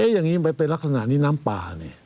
อย่างนี้มันเป็นลักษณะนี้น้ำป่านี่